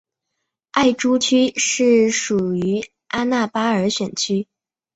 艾珠区是属于阿纳巴尔选区。